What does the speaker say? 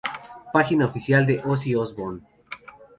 Página oficial de Ozzy Osbourne